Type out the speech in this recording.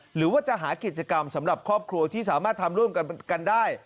หรือว่าจะหากิจกรรมสำหรับครอบครัวที่สามารถทำร่วมกันได้